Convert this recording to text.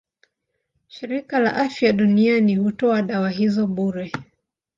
Shirika la Afya Duniani hutoa dawa hizo bure.